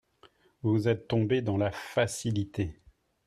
Vous êtes tombé dans la facilité.